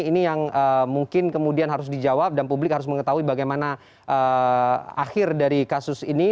ini yang mungkin kemudian harus dijawab dan publik harus mengetahui bagaimana akhir dari kasus ini